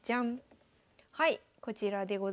はいこちらでございます。